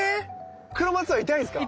⁉クロマツは痛いんですか？